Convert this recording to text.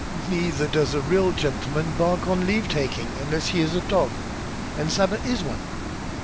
"Neither does a real gentleman bark on leave taking unless he is a dog, and Saba is one."